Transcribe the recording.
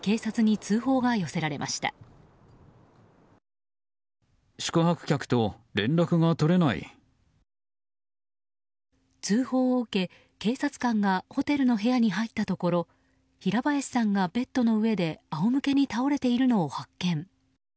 通報を受け、警察官がホテルの部屋に入ったところ平林さんがベッドの上で仰向けに倒れているのを発見。